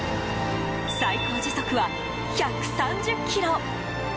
最高時速は１３０キロ！